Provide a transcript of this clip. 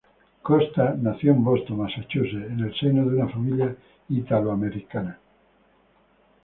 Costa nació en Boston, Massachusetts en el seno de una familia italoamericana.